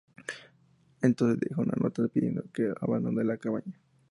Entonces deja una nota pidiendo que abandone la cabaña.